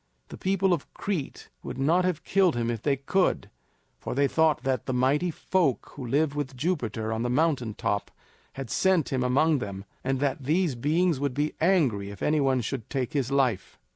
The people of Crete would not have killed him if they could; for they thought that the Mighty Folk who lived with Jupiter on the mountain top had sent him among them, and that these beings would be angry if any one should take his life.